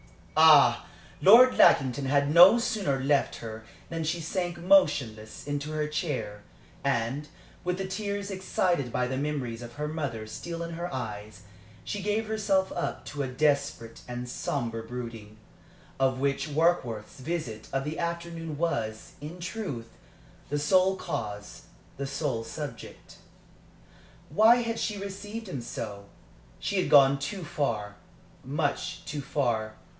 Ah! Lord Lackington had no sooner left her than she sank motionless into her chair, and, with the tears excited by the memories of her mother still in her eyes, she gave herself up to a desperate and sombre brooding, of which Warkworth's visit of the afternoon was, in truth, the sole cause, the sole subject. Why had she received him so? She had gone too far much too far.